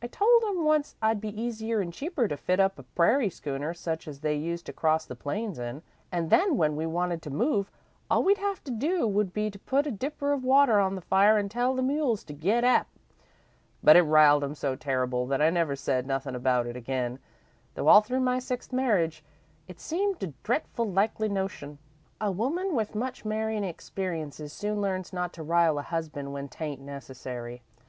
I told him once it'd be easier an' cheaper to fit up a prairie schooner such as they used to cross the plains in, an' then when we wanted to move, all we'd have to do would be to put a dipper of water on the fire an' tell the mules to get ap, but it riled him so terrible that I never said nothin' about it again, though all through my sixth marriage, it seemed a dretful likely notion. "A woman with much marryin' experience soon learns not to rile a husband when 't ain't necessary.